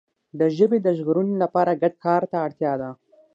د ژبي د ژغورنې لپاره ګډ کار ته اړتیا ده.